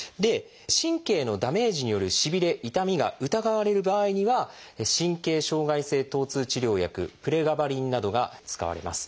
神経のダメージによるしびれ・痛みが疑われる場合には「神経障害性疼痛治療薬」が使われます。